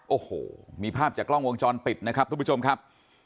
โอ้โหมีภาพจากกล้องวงจรปิดนะครับทุกผู้ชมครับ